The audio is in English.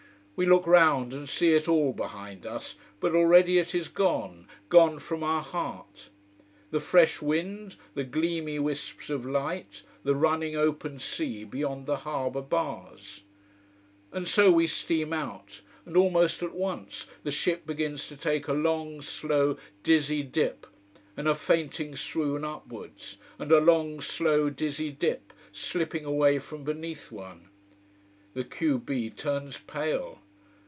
We look round, and see it all behind us but already it is gone, gone from our heart. The fresh wind, the gleamy wisps of light, the running, open sea beyond the harbour bars. And so we steam out. And almost at once the ship begins to take a long, slow, dizzy dip, and a fainting swoon upwards, and a long, slow, dizzy dip, slipping away from beneath one. The q b turns pale.